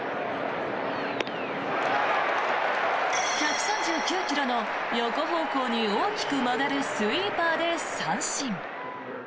１３９ｋｍの横方向に大きく曲がるスイーパーで三振。